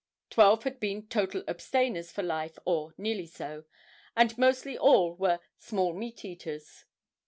Twelve had been total abstainers for life or nearly so, and mostly all were 'small meat eaters.